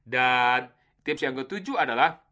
dan tips yang ke tujuh adalah